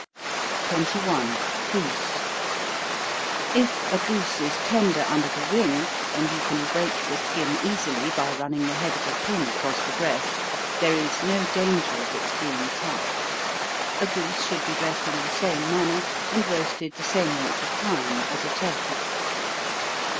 21. Goose. If a goose is tender under the wing, and you can break the skin easily by running the head of a pin across the breast, there is no danger of its being tough. A goose should be dressed in the same manner, and roasted the same length of time as a turkey.